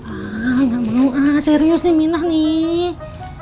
ah nggak mau ah serius nih minah nih